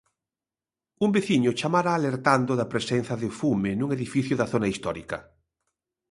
Un veciño chamara alertando da presenza de fume nun edificio da zona histórica.